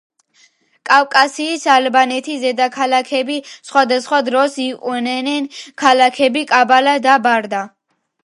კავკასიის ალბანეთის დედაქალაქები სხვადასხვა დროს იყვნენ ქალაქები კაბალა და ბარდა.